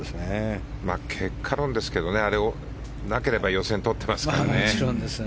結果論ですがあれがなければ予選を通ってますからね。